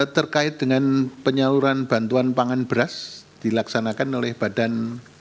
terkait dengan penyaluran bantuan pangan beras dilaksanakan oleh badan